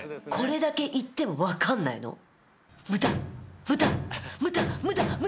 これだけ言っても分かんないの？